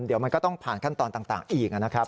เดี๋ยวมันก็ต้องผ่านขั้นตอนต่างอีกนะครับ